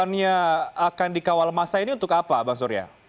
tentunya akan dikawal masa ini untuk apa bang suria